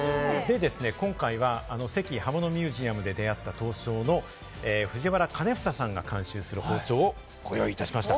今回は関刃物ミュージアムで出会った刀匠の藤原兼房さんが監修する包丁をご用意いたしました。